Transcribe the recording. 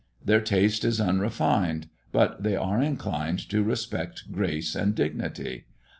Their taste is unrefined, but they are inclined to respect grace and dignity.